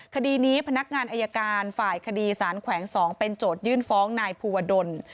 คดีนี้พนักงานอายการฝ่ายคดีสารแขวง๒เป็นโจทยื่นฟ้องนายภูวดล